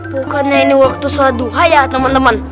bukannya ini waktu sholat duha ya teman teman